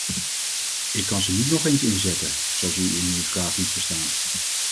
Ik kan ze niet nog eens inzetten, zoals u in uw vraag liet verstaan.